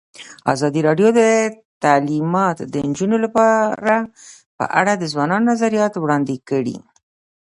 ازادي راډیو د تعلیمات د نجونو لپاره په اړه د ځوانانو نظریات وړاندې کړي.